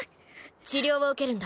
治療を受けるんだ。